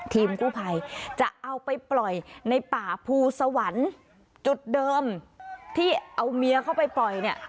ทีมกู้ภัยจะเอาไปปล่อยในป่าภูสวรรค์จุดเดิมที่เอาเมียเข้าไปปล่อยเนี่ย